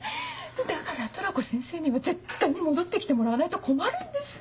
だからトラコ先生には絶対に戻って来てもらわないと困るんです。